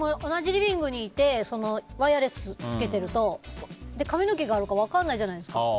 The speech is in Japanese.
同じリビングにいてワイヤレスつけてると髪の毛があるから分からないじゃないですか。